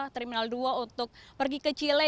terminal dua untuk pergi ke chile